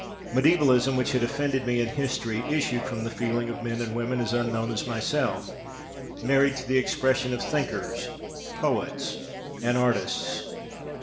Mediævalism, which had offended me in history, issued from the feeling of men and women as unknown as myself, married to the expression of thinkers, poets and artists.